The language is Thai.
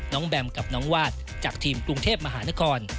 แบมกับน้องวาดจากทีมกรุงเทพมหานคร